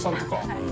はい。